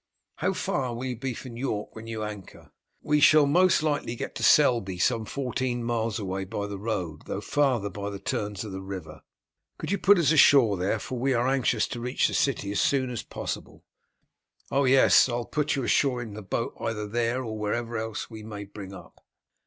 "How far will you be from York when you anchor?" "We shall most likely get to Selby, some fourteen miles away by the road, though farther by the turns of the river." "Could you put us ashore there, for we are anxious to reach the city as soon as possible?" "Oh, yes. I will put you ashore in the boat either there or wherever else we may bring up."